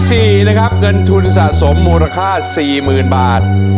ยกที่๔นะครับเงินทุนสะสมมูลค่า๔๐๐๐๐บาท